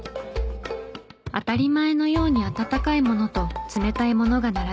当たり前のように温かいものと冷たいものが並ぶ光景。